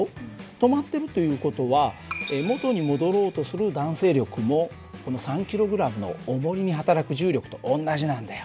止まってるという事は元に戻ろうとする弾性力もこの３ｋｇのおもりにはたらく重力と同じなんだよ。